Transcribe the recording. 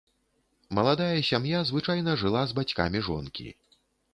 Маладая сям'я звычайна жыла з бацькамі жонкі.